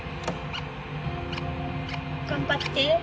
頑張って。